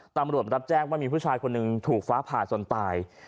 ตำรวจรับแจ้งว่ามีผู้ชายคนหนึ่งถูกฟ้าผ่าจนตาย